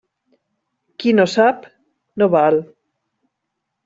Qui no sap, no val.